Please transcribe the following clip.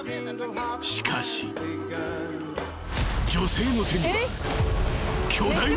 ［しかし］［女性の手には］